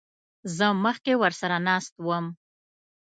زه مخکې ورسره ناست وم.